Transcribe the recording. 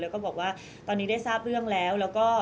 แล้วก็บอกว่าตอนนี้ได้ทราบเรื่องแล้วแล้วก็